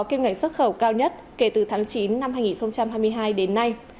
tháng ngày xuất khẩu cao nhất kể từ tháng chín năm hai nghìn hai mươi hai đến nay